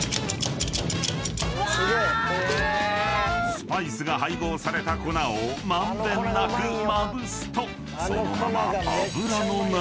［スパイスが配合された粉を満遍なくまぶすとそのまま］